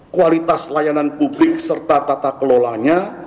kualitas layanan publik serta tata kelolanya